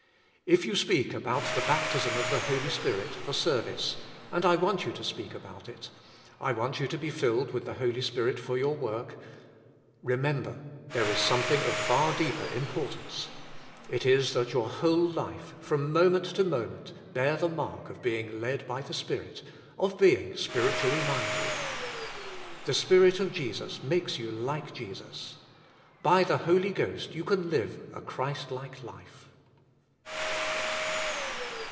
If you speak about the baptism of the Holy Spirit, for service — and I want you to speak about it. I want you to be filled with the Holy Spirit for your work — remember there is something of far deeper importance. It is that your whole life, from mo ment to moment, bear the mark of being led by the Spirit, of being spiritually minded. The Spirit of 26 O'HK SPIRITUAI. tIFEj. Jesus makes you like Jesus By the Holy Ghost you can live a Christ like life.